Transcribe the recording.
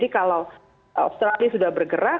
karena mereka sudah bergerak